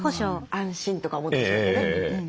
安心とか思ってしまってね。